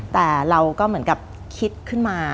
แต่เราก็เหมือนกับคิดขึ้นมา